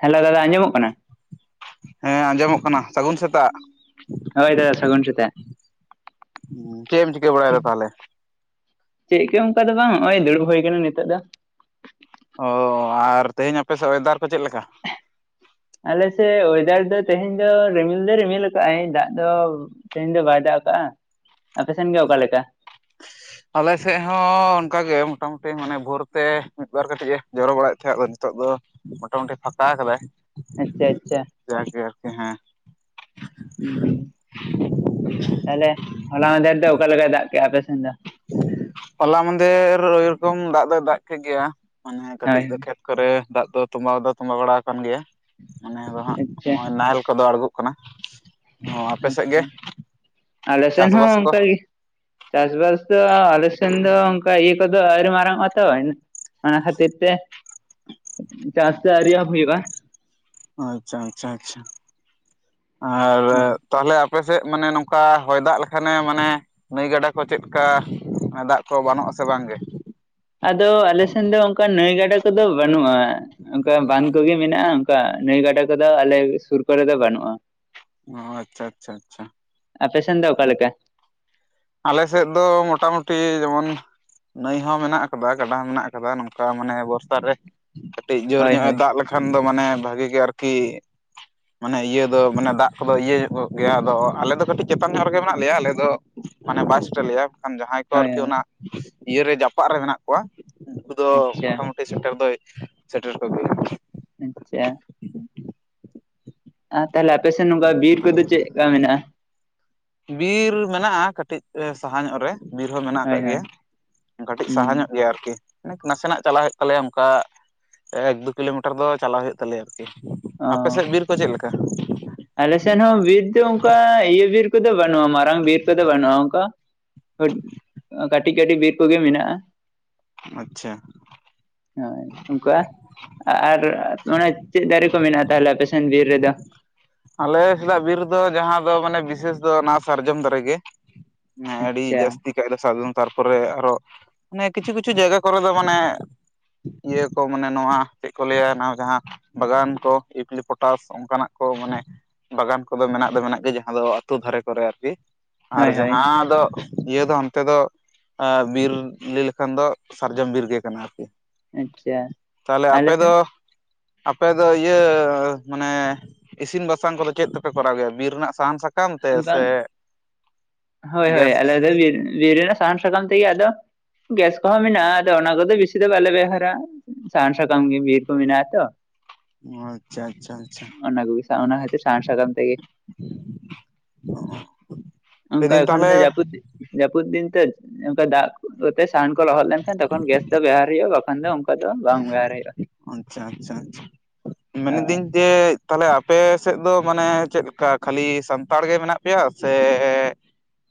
Hello ᱫᱟᱫᱟ ᱟᱸᱡᱚᱢᱚᱜ ᱠᱟᱱᱟ ᱦᱮᱸ ᱟᱸᱡᱚᱢᱚᱜ ᱠᱟᱱᱟ ᱥᱟᱹᱜᱩᱱ ᱥᱮᱛᱟᱜ ᱦᱳᱭ ᱫᱟᱫᱟ ᱥᱟᱜᱩᱱ ᱥᱮᱛᱟᱜ ᱪᱮᱫ ᱮᱢ ᱪᱤᱠᱟᱹ ᱵᱟᱲᱟᱭᱮᱫᱟ ᱛᱟᱦᱚᱞᱮ ᱪᱮ ᱜᱮ ᱚᱱᱠᱟ ᱫᱚ ᱵᱟᱝ ᱱᱚᱜ ᱚᱭ ᱫᱩᱲᱩᱵ ᱦᱩᱭ ᱟᱠᱟᱱᱟ ᱱᱤᱛᱚᱜ ᱫᱚ ᱚ ᱟᱨ ᱛᱮᱦᱮᱧ ᱟᱯᱮ ᱥᱮᱫ ᱭᱮᱫᱟᱨ ᱠᱚ ᱪᱮᱫ ᱞᱮᱠᱟ ᱟᱞᱮᱥᱮᱫ ᱭᱮᱫᱟᱨ ᱫᱚ ᱛᱮᱦᱮᱧ ᱫᱚ ᱨᱤᱢᱤᱞ ᱫᱚᱭ ᱨᱤᱢᱤᱞ ᱠᱟᱜᱼᱟᱭ ᱫᱟᱜ ᱫᱚ ᱛᱮᱦᱮᱧ ᱫᱚ ᱵᱟᱭ ᱫᱟᱜ ᱠᱟᱜᱼᱟ ᱟᱯᱮᱥᱮᱱ ᱜᱮ ᱚᱠᱟᱞᱮᱠᱟ [inaudible] ᱟᱞᱮ ᱥᱮᱫ ᱦᱚᱸ ᱚᱱᱠᱟᱜᱮ ᱢᱚᱴᱟᱢᱩᱴᱤ ᱢᱟᱱᱮ ᱵᱷᱳᱨ ᱛᱮ ᱢᱤᱫᱵᱟᱨ ᱠᱟᱹᱴᱤᱡ ᱮ ᱡᱚᱨᱚ ᱵᱟᱲᱟᱭᱮᱫ ᱛᱟᱦᱮᱸᱫᱟ ᱱᱤᱛᱚᱜ ᱫᱚ ᱢᱳᱚᱴᱟᱢᱩᱴᱤ ᱯᱷᱟᱠᱟ ᱠᱟᱫᱟᱭ ᱟᱪᱪᱷᱟ ᱟᱪᱪᱷᱟ ᱡᱟᱜᱮ ᱟᱨᱠᱤ ᱦᱮᱸ ᱛᱟᱦᱞᱮ ᱦᱚᱞᱟ ᱢᱟᱦᱫᱮᱨ ᱫᱚ ᱚᱠᱟ ᱞᱮᱠᱟᱭ ᱫᱟᱜ ᱠᱮᱜᱼᱟ ᱟᱯᱮ ᱥᱮᱱ ᱫᱚ ᱦᱚᱞᱟ ᱢᱟᱸᱫᱷᱮᱨ ᱳᱭᱨᱚᱠᱚᱢ ᱫᱟᱜ ᱫᱚᱭ ᱫᱟᱜ ᱠᱮᱫ ᱜᱮᱭᱟ ᱢᱟᱱᱮ ᱦᱳᱭ ᱠᱟᱹᱴᱤᱡ ᱫᱚ ᱦᱳᱭ ᱠᱷᱮᱛ ᱠᱚᱨᱮ ᱫᱟᱜ ᱫᱚ ᱛᱚᱸᱵᱟᱣ ᱫᱚ ᱛᱚᱸᱵᱟ ᱵᱟᱲᱟ ᱟᱠᱟᱱ ᱜᱮᱭᱟ ᱢᱟᱱᱮ ᱫᱚ ᱦᱟᱸᱜ ᱟᱪᱪᱷᱟ ᱱᱚᱜᱼᱚᱭ ᱱᱟᱦᱮᱞ ᱠᱚᱫᱚ ᱟᱬᱜᱳ ᱠᱟᱱᱟ ᱚ ᱟᱯᱮ ᱥᱮᱫ ᱜᱮ ᱟᱪᱪᱷᱟ ᱟᱞᱮ ᱥᱮᱱ ᱦᱚᱸ ᱪᱟᱥᱵᱟᱥ ᱠᱚ ᱚᱱᱠᱟᱜᱮ ᱪᱟᱥᱵᱟᱥ ᱫᱚ ᱟᱞᱮ ᱥᱮᱱ ᱫᱚ ᱚᱱᱠᱟ ᱤᱭᱟᱹ ᱠᱚᱫᱚ ᱟᱣᱨᱤ ᱢᱟᱨᱟᱝᱚᱜᱼᱟ ᱛᱚ ᱚᱱᱟ ᱠᱷᱟᱹᱛᱤᱨ ᱛᱮ ᱪᱟᱥ ᱫᱚ ᱟᱹᱣᱨᱤ ᱮᱦᱚᱵ ᱦᱩᱭᱩᱜᱼᱟ ᱟᱪᱪᱷᱟ ᱟᱪᱪᱷᱟ ᱟᱪᱪᱷᱟ ᱟᱨ ᱦᱮᱸ ᱛᱟᱦᱞᱮ ᱟᱯᱮ ᱥᱮᱫ ᱢᱟᱱᱮ ᱱᱚᱝᱠᱟ ᱦᱚᱭ ᱫᱟᱜ ᱞᱮᱠᱷᱟᱱᱮ ᱢᱟᱱᱮ ᱱᱟᱹᱭ ᱜᱟᱰᱟ ᱠᱚ ᱪᱮᱫᱠᱟ ᱫᱟᱜ ᱠᱚ ᱵᱟᱱᱚᱜᱼᱟ ᱥᱮ ᱵᱟᱝ ᱜᱮ ᱟᱫᱚ ᱟᱞᱮᱥᱱ ᱫᱚ ᱚᱱᱠᱟ ᱱᱟᱹᱭ ᱜᱟᱰᱟ ᱠᱚᱫᱚ ᱵᱟᱹᱱᱩᱜᱼᱟ ᱚᱱᱠᱟ ᱵᱟᱸᱫ ᱠᱚᱜᱮ ᱢᱮᱱᱟᱜᱼᱟ ᱚᱱᱠᱟ ᱱᱟᱹᱭ ᱜᱟᱰᱟ ᱠᱚᱫᱚ ᱟᱞᱮ ᱥᱩᱨ ᱠᱚᱨᱮ ᱫᱚ ᱵᱟᱹᱱᱩᱜᱼᱟ ᱚ ᱟᱪᱪᱷᱟ ᱟᱪᱪᱷᱟ ᱟᱪᱪᱷᱟ᱾ ᱟᱯᱮ ᱥᱮᱱ ᱫᱚ ᱚᱠᱟ ᱞᱮᱠᱟ? ᱟᱞᱮ ᱥᱮᱫ ᱫᱚ ᱢᱚᱴᱟᱢᱩᱴᱤ ᱡᱮᱢᱚᱱ ᱱᱟᱹᱭ ᱦᱚᱸ ᱢᱮᱱᱟᱜ ᱠᱟᱫᱟ ᱜᱟᱰᱟ ᱦᱚᱸ ᱢᱮᱱᱟᱜ ᱠᱟᱫᱟ ᱱᱚᱝᱠᱟ ᱢᱟᱱᱮ ᱵᱚᱨᱥᱟ ᱨᱮ ᱠᱟᱹᱴᱤᱡ ᱡᱳᱨ ᱦᱳᱭ ᱧᱚᱜ ᱮ ᱦᱳᱭ ᱫᱟᱜ ᱞᱮᱠᱷᱟᱱ ᱫᱚ ᱢᱟᱱᱮ ᱵᱷᱟᱹᱜᱤ ᱜᱮ ᱟᱨᱠᱤ ᱢᱟᱱᱮ ᱤᱭᱟᱹ ᱫᱚ ᱢᱟᱱᱮ ᱫᱟᱜ ᱠᱚᱫᱚ ᱤᱭᱟᱹ ᱧᱚᱜ ᱜᱮᱭᱟ ᱟᱫᱚ ᱟᱞᱮ ᱫᱚ ᱠᱟᱹᱴᱤᱡ ᱪᱮᱛᱟᱱ ᱧᱚᱜ ᱨᱮᱜᱮ ᱢᱮᱱᱟᱜ ᱞᱮᱭᱟ ᱟᱞᱮ ᱫᱚ ᱢᱟᱱᱮ ᱵᱟᱭ ᱥᱮᱴᱮᱨ ᱞᱮᱭᱟ ᱵᱟᱠᱷᱟᱱ ᱡᱟᱦᱟᱸᱭ ᱠᱚ ᱦᱳᱭ ᱟᱨᱠᱤ ᱦᱳᱭ ᱚᱱᱟ ᱤᱭᱟᱹᱨᱮ ᱡᱟᱯᱟᱜ ᱨᱮ ᱢᱮᱱᱟᱜ ᱠᱚᱣᱟ, ᱩᱱᱠᱩ ᱫᱚ ᱟᱪᱪᱷᱟ ᱢᱚᱴᱟᱢᱩᱴᱤ ᱥᱮᱴᱮᱨ ᱫᱚᱭ ᱥᱮᱴᱮᱨ ᱠᱚᱜᱮᱭᱟ᱾ ᱟᱪᱪᱷᱟ ᱟᱨ ᱛᱟᱦᱞᱮ ᱟᱯᱮᱥᱮᱫ ᱱᱚᱝᱠᱟ ᱵᱤᱨ ᱠᱚᱫᱚ ᱪᱮᱫᱠᱟ ᱢᱮᱱᱟᱜᱼᱟ? ᱵᱤᱨ ᱢᱮᱱᱟᱜᱼᱟ ᱠᱟᱹᱴᱤᱡ ᱥᱟᱦᱟ ᱧᱚᱜ ᱨᱮ ᱵᱤᱨ ᱦᱚᱸ ᱢᱮᱱᱟᱜ ᱦᱳᱭ ᱟᱠᱟᱜ ᱦᱳᱭ ᱜᱮᱭᱟ ᱠᱟᱹᱴᱤᱡ ᱥᱟᱦᱟ ᱦᱩᱸ ᱧᱚᱜ ᱜᱮᱭᱟ ᱟᱨᱠᱤ ᱢᱟᱱᱮ ᱱᱟᱥᱮᱱᱟᱜ ᱪᱟᱞᱟᱜ ᱦᱳᱭᱳᱜ ᱛᱟᱞᱮᱭᱟ, ᱚᱱᱠᱟ ᱮᱠ ᱫᱩ ᱠᱤᱞᱳᱢᱤᱴᱟᱨ ᱫᱚ ᱪᱟᱞᱟᱜ ᱦᱳᱭᱳᱜ ᱛᱟᱞᱮᱭᱟ ᱟᱨᱠᱤ᱾ ᱚ ᱟᱯᱮ ᱥᱮᱫ ᱵᱤᱨ ᱠᱚ ᱪᱮᱫ ᱞᱮᱠᱟ? ᱟᱞᱮ ᱥᱮᱱ ᱦᱚᱸ ᱵᱤᱨ ᱫᱚ ᱚᱱᱠᱟ ᱤᱭᱟᱹ ᱵᱤᱨ ᱠᱚᱫᱚ ᱵᱟᱹᱱᱩᱜᱼᱟ, ᱢᱟᱨᱟᱝ ᱵᱤᱨ ᱠᱚᱫᱚ ᱵᱟᱹᱱᱩᱜᱼᱟ ᱚᱱᱠᱟ [unintelligible] ᱠᱟᱹᱴᱤᱡ ᱠᱟᱹᱴᱤᱡ ᱵᱤᱨ ᱠᱚᱜᱮ ᱢᱮᱱᱟᱜᱼᱟ᱾ ᱟᱪᱪᱷᱟ᱾ ᱦᱳᱭ ᱱᱚᱝᱠᱟ ᱟᱨ ᱚᱱᱮ ᱪᱮᱫ ᱫᱟᱨᱮ ᱠᱚ ᱢᱮᱱᱟᱜᱼᱟ ᱛᱟᱦᱞᱮ ᱟᱯᱮᱥᱮᱱ ᱵᱤᱨ ᱨᱮᱫᱚ ᱟᱞᱮ ᱥᱮᱫᱟᱜ ᱵᱤᱨ ᱫᱚ ᱡᱟᱦᱟᱸ ᱫᱚ ᱢᱟᱱᱮ ᱵᱤᱥᱮᱥ ᱫᱚ ᱚᱱᱟ ᱥᱟᱨᱡᱚᱢ ᱫᱟᱨᱮ ᱜᱮ ᱦᱮᱸ ᱟᱹᱰᱤ ᱟᱪᱪᱷᱟ ᱡᱟᱹᱥᱛᱤ [unintelligible] ᱥᱟᱨᱡᱚᱢ ᱛᱟᱨᱯᱚᱨᱮ ᱟᱨᱚ ᱢᱟᱱᱮ ᱠᱤᱪᱷᱩ ᱠᱤᱪᱷᱩ ᱡᱟᱭᱜᱟ ᱠᱚᱨᱮ ᱫᱚ ᱢᱟᱱᱮ ᱤᱭᱟᱹ ᱠᱚ ᱢᱟᱱᱮ ᱱᱚᱣᱟ ᱪᱮᱫ ᱠᱚ ᱞᱟᱹᱭᱟ ᱱᱚᱣᱟ ᱡᱟᱦᱟᱸ ᱵᱟᱜᱟᱱ ᱠᱚ ᱤᱯᱞᱤ ᱯᱚᱴᱟᱥ ᱚᱱᱠᱟᱱᱟᱜ ᱠᱚ ᱢᱟᱱᱮ ᱵᱟᱜᱟᱱ ᱠᱚᱫᱚ ᱢᱮᱱᱟᱜ ᱫᱚ ᱢᱮᱱᱟᱜ ᱜᱮ ᱡᱟᱦᱟᱸ ᱫᱚ ᱟ ᱟᱹᱛᱩ ᱫᱷᱟᱨᱮ ᱠᱚᱨᱮ ᱟᱨᱠᱤ ᱟᱨ ᱦᱳᱭ ᱦᱳᱭ ᱡᱟᱦᱟᱸ ᱫᱚ ᱤᱭᱟᱹ ᱫᱚ ᱚᱱᱛᱮ ᱫᱚ ᱵᱤᱨ ᱞᱟᱹᱭ ᱞᱮᱠᱷᱟᱱ ᱫᱚ ᱥᱟᱨᱡᱚᱢ ᱵᱤᱨ ᱜᱮ ᱠᱟᱱᱟ ᱟᱨᱠᱤ᱾ ᱟᱪᱪᱷᱟ ᱛᱟᱦᱞᱮ ᱟᱞᱮ ᱟᱯᱮ ᱥᱮᱱ ᱫᱚ? ᱟᱯᱮ ᱫᱚ ᱤᱭᱟᱹ ᱢᱟᱱᱮ ᱤᱥᱤᱱ ᱵᱟᱥᱟᱝ ᱠᱚᱫᱚ ᱪᱮᱫ ᱛᱮᱯᱮ ᱠᱚᱨᱟᱣ ᱜᱮᱭᱟ ᱵᱤᱨ ᱨᱮᱱᱟᱜ ᱥᱟᱦᱟᱱ ᱥᱟ ᱵᱟᱝ [inaudible] ᱦᱳᱭ ᱦᱳᱭ ᱜᱮᱥ ᱟᱞᱮᱫᱚ [unintelligible] ᱵᱤᱨ ᱨᱮᱱᱟᱜ ᱥᱟᱦᱟᱱ ᱥᱟᱠᱟᱢ ᱛᱮᱜᱮ ᱟᱫᱚ ᱜᱮᱥ ᱠᱚᱦᱚᱸ ᱢᱮᱱᱟᱜᱼᱟ, ᱟᱫᱚ ᱚᱱᱟ ᱠᱚᱫᱚ ᱵᱮᱥᱤ ᱫᱚ ᱵᱟᱞᱮ ᱵᱮᱣᱦᱟᱨᱟ ᱥᱟᱦᱟᱱ ᱥᱟᱠᱟᱢ ᱜᱮ ᱵᱤᱨ ᱠᱚ ᱢᱮᱱᱟᱜᱼᱟ ᱛᱚ᱾ ᱚ ᱟᱪᱪᱷᱟ ᱟᱪᱷᱟ ᱟᱪᱪᱷᱟ ᱾ ᱚᱱᱟ ᱠᱚ ᱚᱱᱟ ᱠᱷᱟᱛᱤᱨ ᱥᱟᱦᱟᱱ ᱥᱟᱠᱟᱢ ᱛᱮ ᱜᱮ [inaudible] ᱚᱱᱠᱟ ᱮᱠᱷᱚᱱ ᱛᱟᱦᱚᱞᱮ ᱫᱚ ᱡᱟᱹᱯᱩᱫ, ᱡᱟᱹᱯᱩᱫ ᱫᱤᱱ ᱛᱮ ᱚᱱᱠᱟ ᱫᱟᱜ ᱠᱚᱛᱮ ᱥᱟᱦᱟᱱ ᱠᱚ ᱞᱚᱦᱚᱫ ᱞᱮᱱᱠᱷᱟᱱ ᱫᱚ ᱛᱚᱠᱷᱚᱱ ᱜᱮᱥ ᱫᱚ ᱵᱮᱦᱟᱨ ᱦᱩᱭᱩᱜᱼᱟ ᱵᱟᱠᱷᱟᱱ ᱫᱚ ᱫᱚ ᱵᱟᱝ ᱵᱮᱣᱦᱟᱨ ᱦᱩᱭᱩᱜᱼᱟ [inaudible] ᱟᱪᱪᱷᱟ ᱟᱪᱪᱷᱟ ᱟᱪᱪᱷᱟ ᱢᱮᱱ ᱦᱳᱭ ᱤᱫᱟᱹᱧ ᱡᱮ ᱛᱟᱦᱞᱮ ᱟᱯᱮ ᱥᱮᱫ ᱫᱚ ᱢᱟᱱᱮ ᱪᱮᱫᱞᱮᱠᱟ ᱠᱷᱟᱹᱞᱤ ᱥᱟᱱᱛᱟᱲ ᱜᱮ ᱢᱮᱱᱟᱜ ᱯᱮᱭᱟ ᱥᱮ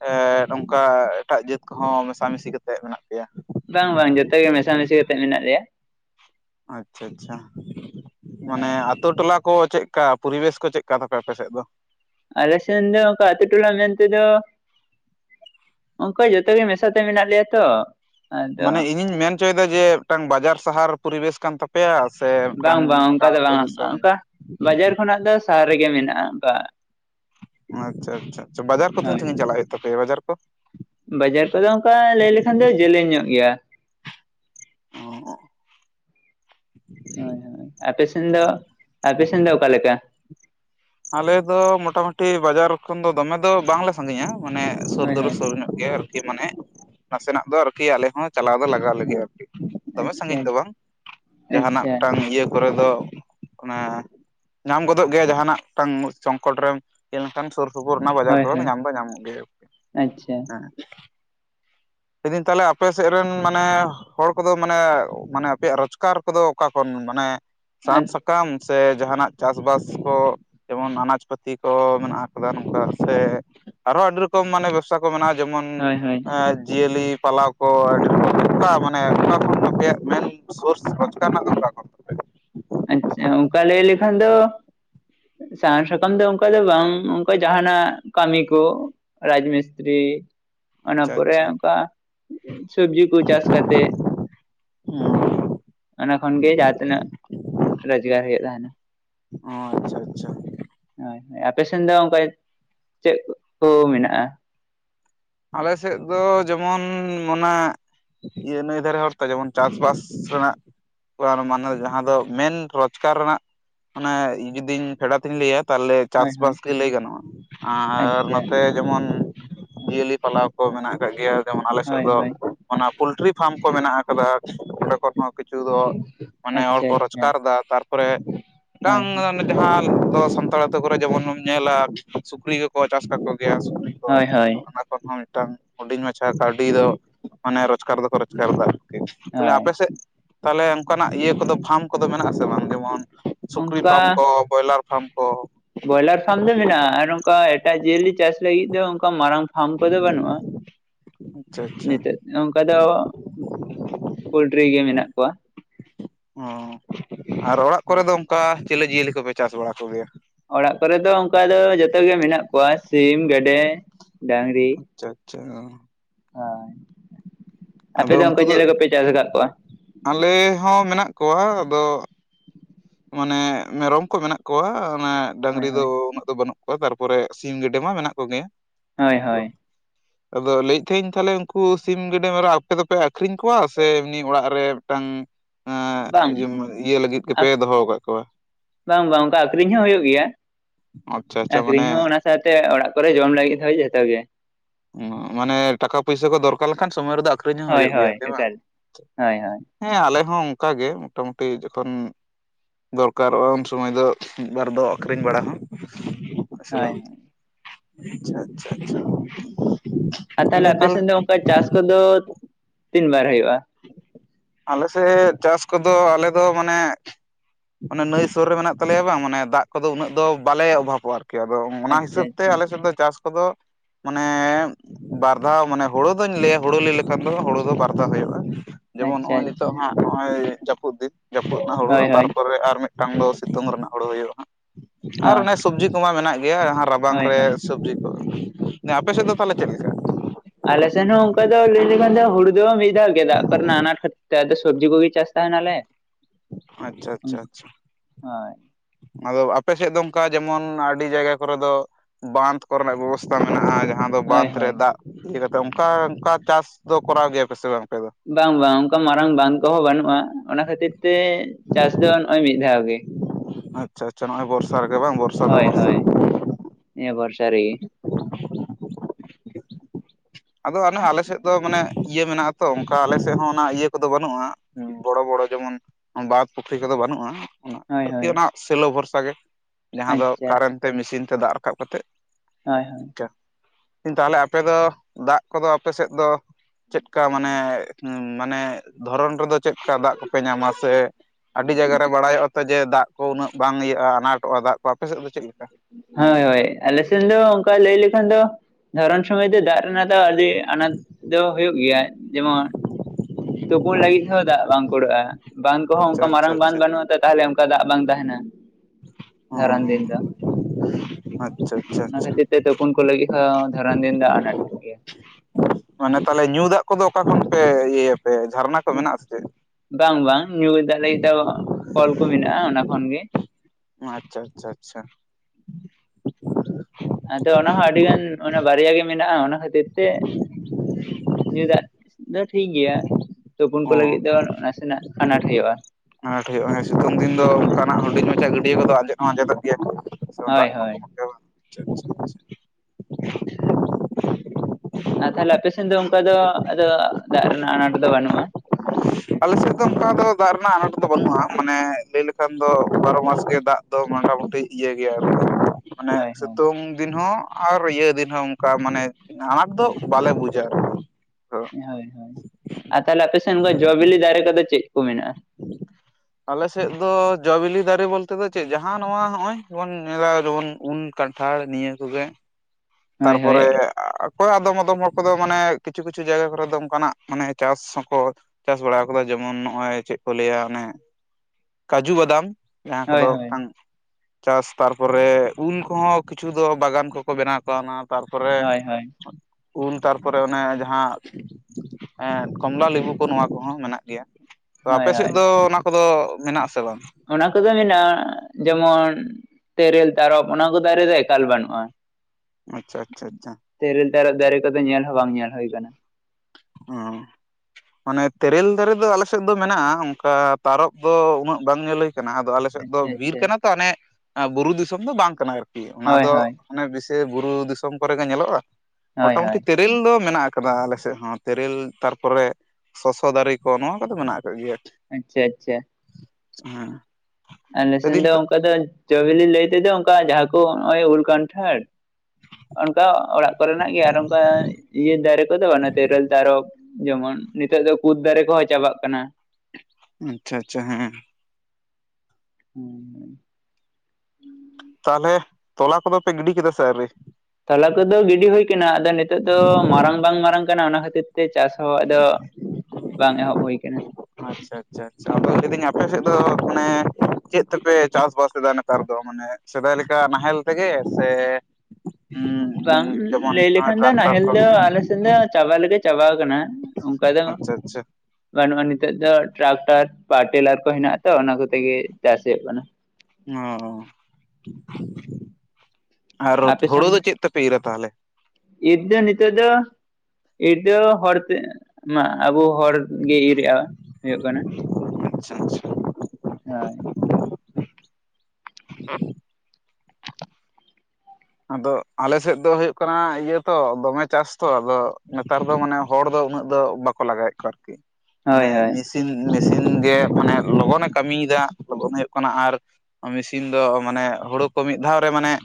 [unintelligible] ᱚᱝᱠᱟ ᱮᱴᱟᱜ ᱡᱟᱹᱛ ᱠᱚᱦᱚᱸ ᱢᱮᱥᱟᱢᱤᱥᱤ ᱠᱟᱛᱮ ᱢᱮᱱᱟᱜ ᱯᱮᱭᱟ? ᱵᱟᱝ ᱵᱟᱝ ᱡᱚᱛᱚ ᱜᱮ ᱢᱮᱥᱟᱢᱤᱥᱤ ᱠᱟᱛᱮ ᱢᱮᱱᱟᱜ ᱞᱮᱭᱟ ᱾ ᱟᱪᱪᱷᱟ ᱟᱪᱪᱷᱟ ᱾ ᱢᱟᱱᱮ ᱦᱳᱭ ᱟᱛᱳ ᱴᱚᱞᱟ ᱠᱚ ᱪᱮᱫᱠᱟ ᱯᱚᱨᱤᱵᱮᱥ ᱠᱚ ᱪᱮᱫᱠᱟ ᱛᱟᱯᱮ ᱟᱯᱮ ᱥᱮᱫ ᱫᱚ? ᱟᱞᱮ ᱥᱮᱱ ᱫᱚ ᱟᱛᱩ ᱴᱚᱞᱟ ᱢᱮᱱᱛᱮ ᱫᱚ ᱚᱱᱠᱟ ᱡᱚᱛᱚ ᱜᱮ ᱢᱮᱥᱟ ᱛᱮ ᱢᱮᱱᱟᱜ ᱞᱮᱭᱟ ᱛᱚ ᱟᱫᱚ ᱢᱟᱱᱮ ᱤᱧᱤᱧ ᱢᱮᱱ ᱪᱚᱭᱮᱫᱟ ᱡᱮ ᱢᱤᱫᱴᱟᱝ ᱵᱟᱡᱟᱨ ᱥᱟᱦᱟᱨ ᱯᱚᱨᱤᱵᱮᱥ ᱠᱟᱱ ᱛᱟ ᱯᱮᱭᱟ ᱥᱮ ᱚᱱᱠᱟᱱ ᱵᱟᱝ ᱵᱟᱝ [unintelligible] ᱚᱱᱠᱟ ᱫᱚ ᱟᱹᱛᱩ ᱫᱤᱥᱚᱢ ᱥᱟᱦᱟ ᱨᱮᱜᱮ ᱢᱮᱱᱟᱜᱼᱟ ᱚᱱᱠᱟ ᱟᱪᱪᱷᱟ ᱟᱪᱪᱷᱟ ᱵᱟᱡᱟᱨ ᱠᱚ ᱛᱤᱱ ᱦᱳᱭ ᱥᱟᱺᱜᱤᱧ ᱦᱳᱭ ᱪᱟᱞᱟᱜ ᱦᱩᱭᱩᱜ ᱛᱟᱯᱮᱭᱟ ᱵᱟᱡᱟᱨ ᱠᱚ ᱵᱟᱡᱟᱨ ᱠᱚᱫᱚ ᱚᱱᱠᱟ ᱞᱟᱹᱭ ᱞᱮᱠᱷᱟᱱ ᱫᱚ ᱡᱮᱞᱮᱧ ᱧᱚᱜ ᱜᱮᱭᱟ ᱾ ᱚᱜ ᱦᱳᱭ ᱦᱳᱭ, ᱟᱯᱮ ᱥᱮᱱ ᱫᱚ, ᱟᱯᱮ ᱥᱮᱱ ᱫᱚ ᱚᱠᱟᱞᱮᱠᱟ? ᱟᱞᱮ ᱫᱚ ᱢᱚᱴᱟ ᱢᱩᱴᱤ ᱵᱟᱡᱟᱨ ᱠᱷᱚᱱ ᱫᱚ ᱫᱚᱢᱮ ᱫᱚ ᱵᱟᱝᱞᱮ ᱥᱟᱺᱜᱤᱧ ᱭᱚ-ᱟ, ᱢᱟᱱᱮ ᱥᱩᱨ ᱦᱳᱭ ᱫᱚ ᱞᱮ ᱦᱳᱭ ᱥᱩᱨ ᱭᱚᱜ ᱟᱨᱠᱤ ᱢᱟᱱᱮ ᱱᱟᱥᱮᱱᱟᱜ ᱫᱚ ᱟᱨᱠᱤ ᱟᱞᱮ ᱦᱚᱸ ᱪᱟᱞᱟᱣ ᱫᱚ ᱞᱟᱜᱟᱣ ᱞᱮ ᱜᱤᱭᱟ, ᱟᱨᱠᱤ ᱫᱚᱢᱮ ᱟᱪᱪᱷᱟ ᱥᱟᱺᱜᱤᱧ ᱫᱚ ᱵᱟᱝ, ᱡᱟᱦᱟᱱᱟᱜ ᱟᱪᱪᱷᱟ ᱢᱤᱫ ᱴᱟᱝ ᱤᱭᱟᱹ ᱠᱚᱨᱮ ᱫᱚ ᱚᱱᱮ ᱧᱟᱢ ᱜᱚᱫᱚᱜ ᱜᱮᱭᱟ ᱡᱟᱦᱟᱱᱟᱜ, ᱢᱤᱫᱴᱟᱝ ᱪᱚᱝᱠᱚᱞ ᱨᱮ ᱞᱮᱱᱠᱷᱟᱱ ᱥᱩᱨ ᱥᱩᱯᱩᱨ ᱨᱮᱱᱟᱜ ᱵᱟᱡᱟᱨ ᱦᱳᱭ ᱠᱚᱨᱮ ᱫᱚ ᱦᱳᱭ ᱧᱟᱢ ᱫᱚ ᱧᱟᱢᱚᱜ ᱜᱮᱭᱟ, ᱟᱪᱪᱷᱟ ᱦᱮᱸ ᱢᱮᱱ ᱫᱤᱧ ᱛᱟᱦᱚᱞᱮ ᱟᱯᱮ ᱥᱮᱫ ᱨᱮᱱ ᱢᱟᱱᱮ, ᱦᱚᱲ ᱠᱚᱫᱚ ᱢᱟᱱᱮ ᱢᱟᱱᱮ ᱟᱯᱮᱭᱟᱜ ᱨᱳᱡᱽᱜᱟᱨ ᱠᱚᱫᱚ ᱚᱠᱟ ᱠᱷᱚᱱ ᱢᱟᱱᱮ, ᱥᱟᱦᱟᱱ ᱥᱟᱠᱟᱢ ᱥᱮ ᱡᱟᱦᱟᱱᱟᱜ ᱪᱟᱥᱵᱟᱥ ᱠᱚ, ᱡᱮᱢᱚᱱ ᱟᱱᱟᱡᱽ ᱯᱟᱹᱛᱤ ᱠᱚ, ᱢᱮᱱᱟᱜ ᱠᱟᱫᱟ ᱱᱚᱝᱠᱟ ᱥᱮ ᱟᱨᱦᱚᱸ ᱟᱹᱰᱤ ᱨᱚᱠᱚᱢ ᱢᱟᱱᱮ ᱵᱮᱵᱥᱟ ᱠᱚ ᱢᱮᱱᱟᱜᱼᱟ, ᱡᱮᱢᱚᱱ ᱦᱳᱭ ᱦᱳᱭ ᱮ ᱡᱤᱭᱟᱹᱞᱤ ᱯᱟᱞᱟᱣ ᱠᱚ ᱢᱟᱱᱮ ᱫᱚ ᱪᱮ ᱢᱮᱱ ᱥᱳᱨᱥ ᱨᱳᱡᱽᱜᱟᱨ ᱨᱮᱱᱟᱜ ᱫᱚ ᱚᱱᱠᱟ ᱠᱚ ᱟᱪᱪᱷᱟ, ᱚᱱᱠᱟ ᱞᱟᱹᱭ ᱞᱮᱠᱷᱟᱱ ᱫᱚ ᱥᱟᱦᱟᱱ ᱥᱟᱠᱟᱢ ᱫᱚ ᱵᱟᱝ ᱚᱱᱠᱟ ᱫᱚ ᱵᱟᱝ ᱚᱱᱠᱟ ᱡᱟᱦᱟᱱᱟᱜ ᱠᱟᱹᱢᱤ ᱠᱚ ᱾ ᱨᱟᱡᱽᱢᱤᱥᱛᱨᱤ ᱚᱱᱟ ᱟᱪᱪᱷᱟ ᱯᱚᱨᱮ ᱟᱪᱪᱷᱟ ᱚᱱᱠᱟ ᱥᱚᱵᱡᱤ ᱠᱚ ᱪᱟᱥ ᱠᱟᱛᱮ ᱾ [unintelligible] ᱚᱱᱟ ᱠᱷᱚᱱ ᱜᱮ ᱡᱟᱦᱟᱸᱛᱤᱱᱟᱹᱜ ᱨᱚᱡᱽᱜᱟᱨ ᱦᱩᱭᱩᱜ ᱛᱟᱦᱮᱱᱟ ᱾ ᱦᱚᱭ ᱟᱪᱪᱷᱟ ᱟᱪᱪᱷᱟ ᱾ ᱦᱳᱭ ᱦᱳᱭ ᱾ ᱟᱯᱮ ᱥᱮᱱ ᱫᱚ ᱚᱱᱠᱟ ᱪᱮᱫ ᱠᱚ ᱢᱮᱱᱟᱜᱼᱟ? ᱟᱞᱮ ᱥᱮᱫ ᱫᱚ ᱡᱮᱢᱚᱱ ᱚᱱᱟ ᱤᱭᱟᱹ ᱱᱟᱹᱭ ᱫᱷᱟᱨᱮ ᱦᱚᱲ ᱛᱚ ᱡᱮᱢᱚᱱ ᱪᱟᱥ ᱵᱟᱥ ᱨᱮᱱᱟᱜ ᱾ ᱢᱟᱱᱮ ᱡᱟᱦᱟᱸ ᱫᱚ ᱢᱮᱱ ᱨᱚᱡᱽᱜᱟᱨ ᱨᱮᱱᱟᱜ ᱟᱱᱮ ᱡᱩᱫᱤᱧ ᱯᱷᱮᱰᱟᱛ ᱤᱧ ᱞᱟᱹᱭᱟ ᱾ ᱛᱟᱦᱚᱞᱮ ᱪᱟᱥ ᱦᱳᱭ ᱦᱳᱭ ᱵᱟᱥ ᱜᱮ ᱞᱟᱹᱭ ᱜᱟᱱᱚᱜᱼᱟ ᱾ ᱟᱨ ᱟᱪᱪᱷᱟ ᱱᱚᱛᱮ ᱡᱮᱢᱚᱱ ᱡᱤᱭᱟᱹᱞᱤ ᱯᱟᱞᱟᱣ ᱠᱚ ᱢᱮᱱᱟᱜ ᱟᱠᱟᱫ ᱜᱮᱭᱟ, ᱡᱮᱢᱚᱱ ᱟᱞᱮ ᱥᱮᱫ ᱦᱳᱭ ᱫᱚ, ᱦᱳᱭ ᱚᱱᱟ ᱯᱳᱞᱴᱨᱤ ᱯᱷᱟᱨᱢ ᱠᱚ ᱢᱮᱱᱟᱜ ᱟᱠᱟᱫᱟ ᱾ ᱠᱚᱱᱳ ᱠᱤᱪᱷᱩ ᱫᱚ ᱢᱟᱱᱮ ᱦᱚᱲ ᱟᱪᱪᱷᱟ ᱠᱚ ᱟᱪᱪᱷᱟ ᱨᱳᱡᱽᱜᱟᱨ ᱫᱟ, ᱛᱟᱨᱯᱚᱨᱮ ᱵᱟᱝ ᱦᱳᱭ ᱡᱟᱦᱟᱸ ᱫᱚ ᱥᱟᱱᱛᱟᱲ ᱟᱹᱛᱩ ᱠᱚᱨᱮ ᱡᱮᱢᱚᱱ ᱵᱚᱱ ᱧᱮᱞᱟ ᱥᱩᱠᱨᱤ ᱠᱚᱠᱚ ᱪᱟᱥ ᱠᱟᱠᱚ ᱜᱮᱭᱟ ᱥᱩᱠᱨᱤ ᱠᱚ ᱾ ᱦᱳᱭ ᱦᱳᱭ ᱠᱷᱚᱱ ᱦᱚᱸ ᱢᱤᱫ ᱴᱟᱝ ᱦᱩᱰᱤᱧ ᱢᱟᱪᱷᱟ ᱠᱟᱹᱣᱰᱤ ᱫᱚ ᱢᱟᱱᱮ ᱨᱚᱪᱠᱟᱨ ᱫᱚᱠᱚ ᱨᱳᱪᱠᱟᱨ ᱫᱟ ᱾ ᱛᱟᱦᱚᱞᱮ ᱦᱳᱭ ᱟᱯᱮ ᱥᱮᱫ ᱛᱟᱦᱚᱞᱮ ᱚᱱᱠᱟᱱᱟᱜ ᱤᱭᱟᱹ ᱠᱚᱫᱚ ᱯᱷᱟᱨᱢ ᱠᱚᱫᱚ ᱢᱮᱱᱟᱜ ᱟᱥᱮ ᱵᱟᱝ ᱡᱮᱢᱚᱱ? ᱥᱩᱠᱨᱤ ᱚᱱᱠᱟ ᱯᱷᱟᱨᱢ ᱠᱚ, ᱵᱚᱭᱞᱟᱨ ᱯᱷᱟᱨᱢ ᱠᱚ, ᱵᱚᱭᱞᱟᱨ ᱯᱷᱟᱨᱢ ᱫᱚ ᱢᱮᱱᱟᱜᱼᱟ, ᱟᱨ ᱱᱚᱝᱠᱟ ᱮᱴᱟᱜ ᱡᱤᱭᱟᱹᱞᱤ ᱪᱟᱥ ᱞᱟᱹᱜᱤᱫ ᱫᱚ ᱚᱱᱠᱟ ᱢᱟᱨᱟᱝ ᱯᱷᱟᱢ ᱠᱚᱫᱚ ᱵᱟᱹᱱᱩᱜᱼᱟ ᱾ ᱟᱪᱪᱷᱟ ᱟᱪᱪᱷᱟ ᱱᱤᱛᱚᱜ ᱚᱱᱠᱟ ᱫᱚ ᱯᱚᱞᱴᱨᱤ ᱜᱮ ᱢᱮᱱᱟᱜ ᱠᱚᱣᱟ ᱾ ᱚ ᱟᱨ ᱚᱲᱟᱜ ᱠᱚᱨᱮ ᱫᱚ ᱚᱱᱠᱟ ᱪᱤᱞᱤ ᱡᱤᱭᱟᱹᱞᱤ ᱠᱚᱯᱮ ᱪᱟᱥ ᱵᱟᱲᱟ ᱠᱚ ᱜᱮᱭᱟ? ᱚᱲᱟᱜ ᱠᱚᱨᱮ ᱫᱚ ᱚᱱᱠᱟ ᱫᱚ ᱡᱚᱛᱚ ᱜᱮ ᱢᱮᱱᱟᱜ ᱠᱚᱣᱟ ᱾ ᱥᱤᱢ, ᱜᱮᱰᱮ, ᱰᱟᱝᱨᱤ, ᱟᱪᱪᱷᱟ ᱟᱪᱪᱷᱟ ᱦᱚᱭ ᱟᱫᱚ ᱩᱱᱠᱩ ᱫᱚ ᱟᱞᱮ ᱦᱚᱸ ᱢᱮᱱᱟᱜ ᱠᱚᱣᱟ, ᱟᱫᱚ ᱢᱟᱱᱮ ᱢᱮᱨᱚᱢ ᱠᱚ ᱢᱮᱱᱟᱜ ᱠᱚᱣᱟ, ᱮ ᱦᱳᱭ ᱰᱟᱝᱨᱤ ᱫᱚ ᱦᱳᱭ ᱩᱱᱟᱹᱜ ᱫᱚ ᱵᱟᱹᱱᱩᱜ ᱵᱟᱹᱱᱩᱜ ᱛᱟᱨᱯᱚᱨᱮ ᱥᱤᱢ, ᱜᱮᱰᱮ, ᱢᱟ ᱢᱮᱱᱟᱜ ᱠᱚ ᱜᱮᱭᱟ ᱦᱳᱭ ᱦᱳᱭ ᱾ ᱟᱫᱚ ᱞᱟᱹᱭᱮᱫ ᱛᱟᱦᱮᱧ ᱛᱟᱦᱚᱞᱮ ᱩᱱᱠᱩ ᱥᱤᱢ ᱜᱮᱰᱮ ᱢᱮᱨᱟ ᱟᱯᱮ ᱫᱚᱯᱮ ᱟᱠᱷᱨᱤᱧ ᱠᱚᱣᱟ, ᱥᱮ ᱮᱢᱱᱤ ᱚᱲᱟᱜ ᱨᱮ ᱢᱤᱫᱴᱟᱝ ᱵᱟᱝ [unintelligible] ᱤᱭᱟᱹ ᱞᱟᱹᱜᱤᱫ ᱜᱮ ᱵᱟᱝ ᱵᱟᱝ ᱚᱱᱠᱟ ᱟᱹᱠᱷᱨᱤᱧ ᱦᱚᱸ ᱦᱩᱭᱩᱜ ᱜᱮᱭᱟ ᱟᱪᱪᱷᱟ ᱾ ᱟᱪᱪᱷᱟ ᱟᱹᱠᱷᱨᱤᱧ ᱦᱚᱸ ᱢᱟᱱᱮ ᱚᱱᱟ ᱥᱟᱶᱛᱮ ᱚᱲᱟᱜ ᱠᱚᱨᱮ ᱡᱚᱢ ᱞᱟᱹᱜᱤᱫ ᱫᱚ ᱡᱷᱚᱛᱚ ᱜᱮ ᱾ ᱢᱟᱱᱮ ᱴᱟᱠᱟ ᱯᱚᱭᱥᱟ ᱠᱚ ᱫᱚᱨᱠᱟᱨ ᱞᱮᱠᱷᱟᱱ ᱥᱚᱢᱚᱭ ᱨᱮᱫᱚ ᱟᱠᱷᱨᱤᱧ ᱦᱚᱸ ᱦᱳᱭ ᱦᱩᱭᱩᱜ ᱜᱮᱭᱟ ᱦᱳᱭ ᱯᱮ ᱵᱟᱝ? ᱮᱠᱟᱞ ᱦᱳᱭ ᱦᱳᱭ ᱦᱮᱸ ᱟᱞᱮ ᱦᱚᱸ ᱚᱱᱠᱟᱜ ᱜᱮ, ᱢᱚᱴᱟᱢᱩᱴᱤ ᱡᱚᱠᱷᱚᱱ ᱫᱚᱨᱠᱟᱨᱚᱜᱼᱟ ᱩᱱ ᱥᱚᱢᱚᱭ ᱫᱚ ᱢᱤᱫ ᱵᱟᱨ ᱫᱚ ᱟᱠᱷᱨᱤᱧ ᱵᱟᱲᱟ ᱦᱚᱸ ᱾ ᱦᱳᱭ ᱦᱳᱭ [unintelligible] ᱟᱪᱪᱷᱟ ᱟᱪᱪᱷᱟ ᱟᱪᱪᱷᱟ, ᱟᱨ ᱛᱟᱦᱚᱞᱮ ᱟᱯᱮᱥᱮᱫ ᱫᱚ ᱚᱱᱠᱟ ᱪᱟᱥ ᱠᱚᱫᱚ ᱛᱤᱱ ᱵᱟᱨ ᱦᱩᱭᱩᱜᱼᱟ ᱟᱞᱮ ᱥᱮᱫ ᱪᱟᱥ ᱠᱚᱫᱚ ᱟᱞᱮ ᱫᱚ ᱢᱟᱱᱮ ᱚᱱᱮ ᱱᱟᱹᱭ ᱥᱩᱨ ᱨᱮ ᱢᱮᱱᱟᱜ ᱛᱟᱞᱮᱭᱟ ᱵᱟᱝ ᱢᱟᱱᱮ ᱫᱟᱜ ᱠᱚᱫᱚ ᱩᱱᱟᱹᱜ ᱫᱚ ᱵᱟᱞᱮ ᱚᱵᱷᱟᱵᱚᱜᱼᱟ ᱟᱨᱠᱤ ᱟᱫᱚ ᱚᱱᱟ ᱟᱪᱪᱷᱟ ᱦᱤᱥᱟᱹᱵ ᱛᱮ ᱟᱪᱪᱷᱟ ᱟᱞᱮ ᱥᱮᱫ ᱫᱚ ᱪᱟᱥ ᱠᱚᱫᱚ ᱢᱟᱱᱮ ᱵᱟᱨ ᱫᱷᱟᱣ ᱢᱟᱱᱮ ᱦᱩᱲᱩ ᱫᱩᱧ ᱞᱟᱹᱭᱟ ᱦᱩᱲᱩ ᱞᱟᱹᱭ ᱞᱮᱠᱷᱟᱱ ᱫᱚ ᱦᱩᱲᱩ ᱫᱚ ᱵᱟᱨ ᱫᱷᱟᱣ ᱦᱩᱭᱩᱜᱼᱟ ᱡᱮᱢᱚᱱ ᱟᱪᱪᱷᱟ ᱱᱚᱜᱼᱚᱭ ᱱᱤᱛᱚᱜ ᱟᱪᱪᱷᱟ ᱦᱟᱜ ᱱᱚᱜᱼᱚᱭ ᱡᱟᱹᱯᱩᱫ ᱫᱤᱱ ᱡᱟᱹᱯᱩᱫ ᱦᱳᱭ ᱦᱩᱲᱩ ᱦᱳᱭ ᱛᱟᱨᱯᱚᱨᱮ ᱟᱨ ᱢᱤᱫ ᱢᱤᱫᱴᱟᱝ ᱫᱚ ᱥᱤᱛᱩᱝ ᱨᱮᱱᱟᱜ ᱦᱩᱲᱩ ᱦᱩᱭᱩᱜᱼᱟ ᱟᱨ ᱚᱱᱮ ᱥᱚᱵᱡᱤ ᱠᱚᱢᱟ ᱢᱮᱱᱟᱜ ᱜᱮᱭᱟ ᱡᱟᱦᱟᱸ ᱨᱟᱵᱟᱝ ᱦᱳᱭ ᱨᱮ ᱦᱳᱭ ᱥᱚᱵᱽᱡᱤ ᱠᱚ ᱟᱯᱮᱥᱮᱫ ᱫᱚ ᱛᱟᱦᱚᱞᱮ ᱪᱮᱫ ᱞᱮᱠᱟ ᱟᱞᱮ ᱥᱮᱱ ᱦᱚᱸ ᱚᱱᱠᱟ ᱫᱚ ᱞᱟᱹᱭ ᱞᱮᱠᱷᱟᱱ ᱫᱚ ᱦᱩᱲᱩ ᱫᱚ ᱢᱤᱫ ᱫᱷᱟᱣ ᱜᱮ ᱫᱟᱜ ᱠᱚᱨᱮᱱᱟᱜ ᱟᱱᱟᱴ ᱠᱷᱟᱹᱛᱤᱨ ᱥᱚᱵᱡᱤ ᱠᱚᱜᱮ ᱪᱟᱥ ᱛᱟᱦᱮᱱᱟᱞᱮ ᱟᱪᱪᱷᱟ ᱟᱪᱪᱷᱟ ᱟᱪᱪᱷᱟ ᱦᱳᱭ ᱟᱫᱚ ᱟᱯᱮ ᱥᱮᱫ ᱫᱚ ᱚᱱᱠᱟ ᱡᱮᱢᱚᱱ ᱟᱹᱰᱤ ᱡᱟᱭᱜᱟ ᱠᱚᱨᱮ ᱫᱚ ᱵᱟᱸᱫᱷ ᱠᱚᱨᱮᱱᱟᱜ ᱵᱮᱵᱚᱥᱛᱷᱟ ᱵᱮᱵᱚᱥᱛᱷᱟ ᱢᱮᱱᱟᱜᱼᱟ ᱡᱟᱦᱟᱸ ᱫᱚ ᱦᱳᱭ ᱵᱟᱸᱫᱷ ᱨᱮ ᱦᱳᱭ ᱫᱟᱜ ᱤᱭᱟᱹ ᱠᱟᱛᱮ ᱚᱱᱠᱟ ᱚᱱᱠᱟ ᱪᱟᱥ ᱫᱚ ᱠᱚᱨᱟᱣ ᱜᱮᱭᱟ ᱯᱮ ᱥᱮ ᱵᱟᱝᱟᱯᱮ ᱫᱚ ᱵᱟᱝ ᱵᱟᱝ ᱚᱱᱠᱟ ᱢᱟᱨᱟᱝ ᱵᱟᱸᱫᱷ ᱠᱚᱦᱚᱸ ᱵᱟᱹᱱᱩᱜᱼᱟ ᱚᱱᱟ ᱠᱷᱟᱹᱛᱤᱨ ᱛᱮ ᱪᱟᱥ ᱫᱚ ᱱᱚᱜᱼᱚᱭ ᱢᱤᱫ ᱫᱷᱟᱣ ᱜᱮ ᱟᱪᱪᱷᱟ ᱟᱪᱪᱷᱟ ᱱᱚᱜᱼᱚᱭ ᱵᱚᱨᱥᱟ ᱨᱮᱜᱮ ᱵᱟᱝ ᱵᱚᱨᱥᱟ ᱦᱳᱭ ᱦᱳᱭ ᱱᱤᱭᱟᱹ ᱵᱚᱨᱥᱟ ᱨᱮᱜᱮ [unintelligible] ᱟᱫᱚ ᱚᱱᱮ ᱟᱞᱮᱥᱮᱫ ᱫᱚ ᱢᱟᱱᱮ ᱤᱭᱟᱹ ᱢᱮᱱᱟᱜ ᱟᱛᱚ ᱚᱱᱠᱟ ᱟᱞᱮ ᱥᱮᱫ ᱦᱚᱸ ᱚᱱᱟ ᱤᱭᱟᱹ ᱠᱚᱫᱚ ᱵᱟᱹᱱᱩᱜᱼᱟ ᱵᱚᱲᱚ ᱵᱚᱲᱚ ᱡᱮᱢᱚᱱ ᱵᱟᱸᱫᱷ ᱯᱩᱠᱷᱨᱤ ᱠᱚᱫᱚ ᱵᱟᱹᱱᱩᱜᱼᱟ ᱚᱱᱟ ᱦᱳᱭ ᱟᱨᱠᱤ ᱦᱳᱭ ᱚᱱᱟ ᱥᱮᱞᱳ ᱵᱷᱚᱨᱥᱟ ᱜᱮ ᱡᱟᱦᱟᱸ ᱫᱚ ᱟᱪᱪᱷᱟ ᱠᱟᱨᱮᱱ ᱛᱮ ᱢᱮᱥᱤᱱ ᱛᱮ ᱫᱟᱜ ᱨᱟᱠᱟᱵ ᱠᱟᱛᱮ ᱦᱳᱭ ᱦᱳᱭ ᱟᱪᱪᱷᱟ ᱛᱟᱦᱚᱞᱮ ᱟᱯᱮ ᱫᱚ ᱫᱟᱜ ᱠᱚᱫᱚ ᱟᱯᱮ ᱥᱮᱫ ᱫᱚ ᱪᱮᱫᱠᱟ ᱢᱟᱱᱮ ᱢᱟᱱᱮ ᱫᱷᱚᱨᱚᱱ ᱨᱮᱫᱚ ᱪᱮᱫ ᱞᱮᱠᱟ ᱫᱟᱜ ᱠᱚᱯᱮ ᱧᱟᱢᱟ ᱥᱮ ᱟᱹᱰᱤ ᱡᱟᱭᱜᱟ ᱨᱮ ᱵᱟᱲᱟᱭᱚᱜᱼᱟ ᱛᱚ ᱡᱮ ᱫᱟᱜ ᱠᱚ ᱩᱱᱟᱹᱜ ᱵᱟᱝ ᱤᱭᱟᱹᱜᱼᱟ ᱟᱱᱟᱴᱚᱜᱼᱟ ᱫᱟᱜ ᱠᱚ ᱟᱯᱮᱮᱥᱮᱫ ᱫᱚ ᱪᱮᱫ ᱞᱮᱠᱟ ᱦᱳᱭ ᱦᱳᱭ ᱟᱞᱮᱥᱮᱱ ᱫᱚ ᱚᱱᱠᱟ ᱞᱟᱹᱭ ᱞᱮᱠᱷᱟᱱ ᱫᱚ ᱫᱷᱚᱨᱚᱱ ᱥᱩᱢᱚᱭ ᱫᱚ ᱫᱟᱜ ᱨᱮᱱᱟᱜ ᱫᱚ ᱟᱹᱰᱤ ᱟᱱᱟᱴ ᱫᱚ ᱦᱩᱭᱩᱜ ᱜᱮᱭᱟ ᱡᱮᱢᱚᱱ ᱛᱩᱯᱩ ᱞᱟᱹᱜᱤᱫ ᱦᱚᱸ ᱫᱟᱜ ᱵᱟᱝ ᱠᱩᱲᱟᱹᱜᱼᱟ ᱵᱟᱸᱫᱷ ᱠᱚᱦᱚᱸ ᱟᱪᱪᱷᱟ ᱚᱱᱠᱟ ᱟᱪᱪᱷᱟ ᱢᱟᱨᱟᱝ ᱵᱟᱸᱫᱷ ᱟᱪᱪᱷᱟ ᱵᱟᱹᱱᱩᱜᱼᱟ ᱛᱟᱦᱚᱞᱮ ᱚᱱᱠᱟ ᱫᱟᱜ ᱵᱟᱝ ᱛᱟᱦᱮᱱᱟ ᱫᱷᱚᱨᱟᱱ ᱦᱚᱸ ᱫᱤᱱ ᱫᱚ ᱟᱪᱪᱷᱟ ᱟᱪᱪᱷᱟ ᱚᱱᱟ ᱟᱪᱪᱷᱟ ᱠᱷᱟᱹᱛᱤᱨ ᱛᱯᱩᱱ ᱠᱚ ᱞᱟᱹᱜᱤᱫ ᱫᱷᱚᱨᱚᱱ ᱫᱤᱱ ᱫᱚ ᱟᱱᱟᱴ ᱱᱚᱜ ᱜᱮᱟᱭ ᱢᱟᱱᱮ ᱛᱟᱦᱚᱞᱮ ᱧᱩ ᱫᱟᱜ ᱠᱚᱫᱚ ᱚᱠᱟ ᱠᱷᱚᱱ ᱯᱮ ᱤᱭᱟᱹᱭᱟᱯᱮ ᱡᱷᱟᱨᱱᱟ ᱠᱚ ᱢᱮᱱᱟᱜᱼᱟ ᱥᱮ ᱪᱮᱫ ᱵᱟᱝ ᱵᱟᱝ ᱧᱩ ᱫᱟᱜ ᱞᱟᱹᱜᱤᱫ ᱫᱚ ᱠᱚᱞ ᱠᱚ ᱢᱮᱱᱟᱜᱼᱟ ᱚᱱᱟ ᱠᱷᱚᱱ ᱜᱮ ᱟᱪᱪᱷᱟ ᱟᱪᱪᱷᱟ ᱟᱪᱪᱷᱟ ᱟᱫᱚ ᱚᱱᱟ ᱦᱚᱸ ᱟᱹᱰᱤ ᱜᱟᱱ ᱚᱱᱟ ᱵᱟᱨᱭᱟ ᱜᱮ ᱢᱮᱱᱟᱜᱼᱟ ᱚᱱᱟ ᱠᱷᱟᱹᱛᱤᱨ ᱠᱷᱟᱹᱛᱤᱨ ᱛᱮ ᱧᱩ ᱫᱟᱜ ᱫᱚ ᱴᱷᱤᱠ ᱜᱮᱭᱟ ᱛᱩᱯᱩᱱ ᱠᱩ ᱞᱟᱹᱜᱤᱫ ᱚ ᱫᱚ ᱱᱟᱥᱮᱱᱟᱜ ᱟᱱᱟᱴ ᱦᱩᱭᱩᱜᱼᱟ ᱟᱱᱟᱴ ᱦᱩᱭᱩᱜ ᱥᱤᱛᱩᱝ ᱫᱤᱱ ᱫᱚ ᱚᱱᱠᱟᱱᱟᱜ ᱦᱳᱭ ᱦᱩᱰᱤᱧ ᱢᱟᱪᱷᱟ ᱜᱟᱹᱰᱭᱟᱹ ᱠᱚ ᱟᱸᱡᱮᱫ ᱦᱚᱸ ᱟᱡᱮᱫᱚ ᱜᱮᱭᱟ ᱥᱮ ᱫᱟᱜ ᱦᱳᱭ ᱦᱚᱸᱠᱚᱢᱚᱜ ᱜᱮᱭᱟ ᱵᱟᱝ [unintelligible] ᱟᱨ ᱛᱟᱦᱚᱞᱮ ᱟᱯᱮᱥᱮᱫ ᱫᱚ ᱚᱱᱠᱟ ᱫᱚ ᱫᱟᱜ ᱨᱮᱱᱟᱜ ᱟᱱᱟᱴ ᱫᱚ ᱵᱟᱹᱱᱩᱜᱼᱟ [unintelligible] ᱟᱞᱮᱥᱮᱫ ᱫᱚ ᱚᱱᱠᱟ ᱫᱚ ᱫᱟᱜ ᱨᱮᱱᱟᱜ ᱟᱱᱟᱴ ᱫᱚ ᱵᱟᱹᱱᱩᱜᱼᱟ ᱢᱟᱱᱮ ᱞᱟᱹᱭ ᱞᱮᱠᱷᱟᱱ ᱫᱚ ᱵᱟᱨᱚ ᱢᱟᱥ ᱜᱮ ᱫᱟᱜ ᱫᱚ ᱢᱚᱴᱟᱢᱩᱴᱤ ᱤᱭᱟᱹ ᱜᱮᱭᱟ ᱟᱨᱠᱤ ᱢᱟᱱᱮ ᱦᱳᱭ ᱦᱳᱭ ᱥᱤᱛᱩᱝ ᱫᱤᱱ ᱦᱚᱸ ᱟᱨ ᱤᱭᱟᱹ ᱫᱤᱱ ᱦᱚᱸ ᱚᱱᱠᱟ ᱢᱟᱱᱮ ᱟᱱᱟᱴ ᱫᱚ ᱵᱟᱞᱮ ᱵᱩᱡᱟ ᱟᱨ ᱦᱳᱭ ᱦᱳᱭ ᱟᱨ ᱛᱟᱦᱚᱞᱮ ᱟᱯᱮᱥᱮᱫ ᱡᱚᱼ ᱵᱤᱞᱤ ᱫᱟᱨᱮ ᱠᱚᱫᱚ ᱪᱮᱫ ᱠᱚ ᱢᱮᱱᱟᱜᱼᱟ [unintelligible] ᱟᱞᱮᱥᱮᱫ ᱫᱚ ᱡᱚᱵᱤᱞᱤ ᱫᱟᱨᱮ ᱵᱚᱞᱛᱮ ᱫᱚ ᱪᱮᱫ ᱡᱟᱦᱟᱸ ᱱᱚᱣᱟ ᱱᱚᱜᱼᱚᱭ ᱵᱚᱱ ᱧᱮᱞᱟ ᱡᱮᱢᱚᱱ ᱩᱞ ᱠᱟᱱᱴᱷᱟᱲ ᱱᱤᱭᱟᱹ ᱠᱚᱜᱮ ᱦᱳᱭ ᱦᱳᱭ ᱛᱟᱨᱯᱚᱨᱮ ᱚᱠᱚᱣᱟᱜ ᱫᱚᱢ ᱟᱫᱚᱢ ᱦᱚᱲ ᱠᱚᱫᱚ ᱢᱟᱱᱮ ᱠᱤᱪᱷᱩ ᱠᱤᱪᱷᱩ ᱡᱟᱭᱜᱟ ᱠᱚᱨᱮ ᱫᱚ ᱚᱱᱠᱟᱱᱟᱜ ᱢᱟᱱᱮ ᱪᱟᱥ ᱦᱚᱸᱠᱚ ᱪᱟᱥ ᱵᱟᱲᱟ ᱟᱠᱟᱫᱟ ᱡᱮᱢᱚᱱ ᱱᱚᱜᱼᱚᱭ ᱪᱮᱫ ᱠᱚ ᱞᱟᱹᱭᱟ ᱚᱱᱮ ᱠᱟᱡᱩ ᱵᱟᱫᱟᱢ ᱡᱟᱦᱟᱸ ᱦᱳᱭ ᱠᱚᱫᱚ ᱦᱳᱭ ᱦᱳᱭ ᱢᱤᱫᱴᱟᱝ ᱪᱟᱥ ᱛᱟᱨᱯᱚᱨᱮ ᱩᱞ ᱠᱚᱦᱚᱸ ᱠᱤᱪᱷᱩ ᱫᱚ ᱵᱟᱜᱟᱱ ᱠᱚᱠᱚ ᱵᱮᱱᱟᱣ [unintelligible] ᱛᱟᱨᱯᱚᱨᱮ ᱦᱳᱭ ᱩᱞ ᱛᱟᱨᱯᱚᱨᱮ ᱚᱱᱮ ᱡᱟᱦᱟᱸ [unintelligible] ᱠᱚᱢᱞᱟ ᱞᱮᱵᱩ ᱠᱚ ᱱᱚᱣᱟ ᱠᱚᱦᱚᱸ ᱢᱮᱱᱟᱜ ᱜᱮᱭᱟ ᱛᱚ ᱦᱳᱭ ᱟᱯᱮ ᱥᱮᱫ ᱦᱳᱭ ᱫᱚ ᱚᱱᱟ ᱠᱚᱫᱚ ᱢᱮᱱᱟᱜ ᱟᱥᱮ ᱵᱟᱝ ᱚᱱᱟ ᱠᱚᱫᱚ ᱢᱮᱱᱟᱜᱼᱟ ᱡᱮᱢᱚᱱ ᱛᱮᱨᱮᱞ ᱛᱟᱨᱚᱯ ᱚᱱᱟ ᱠᱚ ᱫᱟᱨᱮ ᱫᱚ ᱮᱠᱟᱞ ᱵᱟᱹᱱᱩᱜᱼᱟ ᱟᱪᱷᱟ ᱟᱪᱷᱟ ᱟᱪᱷᱟ ᱛᱮᱨᱮᱞ ᱛᱟᱨᱚᱵ ᱫᱟᱨᱮ ᱠᱚᱫᱚ ᱧᱮᱞ ᱦᱚᱸ ᱵᱟᱝ ᱧᱮᱞ ᱦᱩᱭ ᱟᱠᱟᱱᱟ [unintelligible] ᱢᱟᱱᱮ ᱛᱮᱨᱮᱞ ᱫᱟᱨᱮ ᱫᱚ ᱟᱞᱮᱥᱮᱫ ᱫᱚ ᱢᱮᱱᱟᱜᱼᱟ ᱚᱱᱠᱟ ᱛᱟᱨᱚᱵ ᱫᱚ ᱩᱱᱟᱹᱜ ᱵᱟᱝ ᱧᱮᱞ [unintelligible] [unintelligible] ᱟᱫᱚ ᱟᱞᱮ ᱥᱮᱫ ᱫᱚ ᱟᱪᱪᱷᱟ ᱵᱤᱨ ᱟᱪᱪᱷᱟ ᱠᱟᱱᱟ ᱛᱚ ᱚᱱᱮ ᱵᱩᱨᱩ ᱫᱤᱥᱚᱢ ᱫᱚ ᱵᱟᱝ ᱠᱟᱱᱟ ᱟᱨᱠᱤ ᱚᱱᱟ ᱦᱳᱭ ᱫᱚ ᱦᱳᱭ ᱚᱱᱮ ᱵᱮᱥᱤ ᱵᱩᱨᱩ ᱫᱤᱥᱚᱢ ᱠᱚᱨᱮ ᱜᱮ ᱧᱮᱞᱚᱜᱼᱟ ᱦᱳᱭ ᱢᱚᱴᱟᱢᱩᱴᱤ ᱦᱳᱭ ᱛᱮᱨᱮᱞ ᱫᱚ ᱢᱮᱱᱟᱜ ᱟᱠᱟᱫᱟ ᱟᱞᱮᱥᱮᱫ ᱦᱚᱸ ᱛᱮᱨᱮᱞ ᱛᱟᱨᱯᱚᱨᱮ ᱥᱚᱥᱚ ᱫᱟᱨᱮ ᱠᱚ ᱱᱚᱣᱟ ᱠᱚᱫᱚ ᱢᱮᱱᱟᱜ ᱟᱠᱟᱫ ᱜᱮᱭᱟ ᱟᱪᱷᱟ ᱟᱪᱷᱟ [inaudible] ᱦᱮᱸ ᱟᱞᱮ ᱥᱮᱱ ᱞᱟᱹᱭᱫᱟᱹᱧ ᱫᱚ ᱚᱱᱠᱟ ᱫᱚ ᱡᱚ ᱵᱤᱞᱤ ᱞᱟᱹᱭ ᱛᱮᱫᱚ ᱚᱱᱠᱟ ᱡᱟᱦᱟᱸ ᱠᱚ [unintelligible] ᱩᱞ ᱠᱟᱱᱴᱷᱟᱲ ᱚᱱᱠᱟ ᱚᱲᱟᱜ ᱠᱚᱨᱮᱱᱟᱜ ᱜᱮ ᱟᱨ ᱚᱱᱠᱟ ᱤᱭᱟᱹ ᱫᱟᱨᱮ ᱠᱚᱫᱚ ᱵᱟᱹᱱᱩᱜ ᱛᱮᱨᱮᱞ ᱛᱟᱨᱚᱵ ᱡᱮᱢᱚᱱ ᱱᱤᱛᱚᱜ ᱫᱚ ᱠᱩᱫ ᱫᱟᱨᱮ ᱠᱚᱦᱚᱸ ᱪᱟᱵᱟᱜ ᱠᱟᱱᱟ ᱟᱪᱷᱟ ᱟᱪᱷᱟ ᱦᱮᱸ [unintelligible] [unintelligible] ᱛᱟᱦᱚᱞᱮ ᱛᱚᱞᱟ ᱠᱚᱫᱚ ᱯᱮ ᱜᱤᱰᱤ ᱠᱮᱫᱟ ᱥᱮ ᱟᱹᱣᱨᱤ ᱛᱚᱞᱟ ᱠᱚᱫᱚ ᱜᱤᱰᱤ ᱦᱩᱭ ᱠᱟᱱᱟ ᱟᱫᱚ ᱱᱤᱛᱚᱜ ᱫᱚ ᱢᱟᱨᱟᱝ ᱵᱟᱝ ᱢᱟᱨᱟᱝ ᱠᱟᱱᱟ ᱚᱱᱟ ᱠᱷᱟᱹᱛᱤᱨ ᱛᱮ ᱪᱟᱥ ᱦᱚᱸ ᱟᱫᱚ ᱵᱟᱝ ᱮᱦᱚᱵ ᱦᱩᱭ ᱟᱠᱟᱱᱟ ᱟᱪᱷᱟ ᱟᱪᱷᱟ ᱟᱪᱷᱟ ᱟᱫᱚ ᱞᱟᱹᱭᱫᱤᱧ ᱟᱯᱮᱥᱮᱫ ᱫᱚ ᱢᱟᱱᱮ ᱪᱮᱫ ᱛᱮᱯᱮ ᱪᱟᱥ-ᱵᱟᱥ ᱮᱫᱟ ᱱᱮᱛᱟᱨ ᱫᱚ ᱢᱟᱱᱮ ᱥᱮᱫᱟᱭ ᱞᱮᱠᱟ ᱱᱟᱦᱮᱞ ᱛᱮᱜᱮ ᱥᱮ ᱵᱟᱝ [unintelligible] ᱡᱮᱢᱚᱱ ᱞᱟᱹᱭ [unintelligible] ᱞᱮᱠᱷᱟᱱ ᱫᱚ ᱴᱨᱟᱠᱴᱟᱨ ᱠᱚ ᱱᱟᱦᱮᱞ [unintelligible] [unintelligible] ᱪᱟᱵᱟ ᱞᱮᱠᱟ ᱪᱟᱵᱟ ᱠᱟᱱᱟ ᱚᱱᱠᱟ ᱫᱚ ᱟᱪᱪᱷᱟ ᱟᱪᱪᱷᱟ [inaudible] ᱵᱟᱹᱱᱩᱜᱼᱟ ᱱᱤᱛᱚᱜ ᱫᱚ ᱴᱨᱟᱠᱴᱟᱨ [unintelligible] ᱴᱤᱞᱟᱨ ᱠᱚ ᱦᱮᱱᱟᱜᱼᱟ ᱛᱚ ᱚᱱᱟ ᱠᱚᱛᱮᱜᱮ ᱪᱟᱥ ᱦᱩᱭᱩᱜ ᱠᱟᱱᱟ [unintelligible] ᱟᱨ ᱦᱩᱲᱩ ᱫᱚ ᱪᱮᱫ ᱛᱮᱯᱮ ᱤᱻᱨᱟ ᱛᱟᱦᱚᱞᱮ ᱤᱻᱨ ᱫᱚ ᱱᱤᱛᱚᱜ ᱫᱚ ᱤᱻᱨ ᱫᱚ ᱦᱚᱲ ᱛᱮ [unintelligible] ᱢᱟ ᱟᱵᱚ ᱦᱚᱲ ᱜᱮ ᱤᱻᱨ ᱨᱮᱜᱼᱟ ᱦᱩᱭᱩᱜ ᱠᱟᱱᱟ ᱟᱪᱪᱷᱟ ᱟᱪᱪᱷᱟ [inaudible] ᱦᱳᱭ [inaudible] ᱟᱫᱚ ᱟᱞᱮ ᱥᱮᱫ ᱫᱚ ᱦᱩᱭᱩᱜ ᱠᱟᱱᱟ ᱤᱭᱟᱹ ᱛᱚ ᱫᱚᱢᱮ ᱪᱟᱥ ᱛᱚ ᱟᱫᱚ ᱱᱮᱛᱟᱨ ᱫᱚ ᱢᱟᱱᱮ ᱦᱚᱲ ᱫᱚ ᱩᱱᱟᱹᱜ ᱫᱚ ᱵᱟᱠᱚ ᱞᱟᱜᱟᱭᱮᱫ ᱠᱚᱣᱟ ᱟᱨᱠᱤ ᱦᱳᱭ ᱢᱟᱱᱮ ᱦᱳᱭ [unintelligible] [unintelligible] ᱢᱮᱥᱤᱱ ᱜᱮ ᱢᱟᱱᱮ ᱞᱚᱜᱚᱱ ᱮ ᱠᱟᱹᱢᱤᱭ ᱮᱫᱟ ᱞᱚᱜᱚᱱ ᱦᱩᱭᱩᱜ ᱠᱟᱱᱟ ᱟᱨ ᱢᱮᱥᱤᱱ ᱫᱚ ᱢᱟᱱᱮ ᱦᱩᱲᱩ ᱠᱚ ᱢᱤᱫ ᱫᱷᱟᱣ ᱨᱮ ᱢᱟᱱᱮ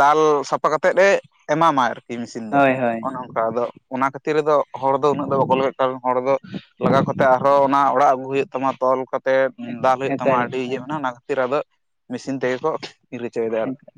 ᱫᱟᱞ ᱥᱟᱯᱷᱟ ᱠᱟᱛᱮᱜ ᱮ ᱮᱢᱟ ᱢᱟ ᱟᱨᱠᱤ ᱢᱮᱥᱤᱱ ᱫᱚ ᱦᱳᱭ ᱦᱳᱭ [unintelligible] ᱟᱫᱚ ᱚᱱᱟ ᱠᱷᱟᱹᱛᱤᱨ ᱫᱚ ᱦᱚᱲ ᱫᱚ ᱩᱱᱟᱹᱜ ᱫᱚ ᱵᱟᱠᱚ ᱞᱟᱜᱟᱜ ᱠᱟᱱ ᱦᱚᱲ ᱫᱚ ᱞᱟᱜᱟᱣ ᱠᱟᱛᱮ ᱟᱨᱦᱚᱸ ᱚᱱᱟ ᱚᱲᱟᱜ ᱟᱹᱜᱩ ᱦᱩᱭᱩᱜ [unintelligible] ᱛᱮ ᱫᱟᱞ ᱦᱩᱭᱩᱜ ᱛᱟᱢᱟ ᱮᱠᱟᱞ ᱟᱹᱰᱤ ᱤᱭᱟᱹ ᱮᱠᱟᱞ ᱢᱮᱱᱟᱜᱼᱟ ᱚᱱᱟ ᱠᱷᱟᱹᱛᱤᱨ ᱟᱫᱚ ᱢᱮᱥᱤᱱ ᱛᱮᱜᱮ ᱠᱚ ᱤᱻᱨ ᱦᱚᱪᱚᱭᱮᱫᱟ ᱟᱨ ᱮᱠᱟᱞ